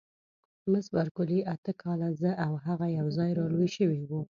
مس بارکلي: اته کاله، زه او هغه یوځای را لوي شوي وو.